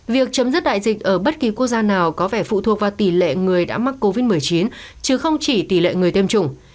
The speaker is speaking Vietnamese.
việc chấm dứt đại dịch ở bất kỳ quốc gia nào có vẻ phụ thuộc vào tỷ lệ người đã mắc covid một mươi chín chứ không chỉ tỷ lệ người tiêm chủng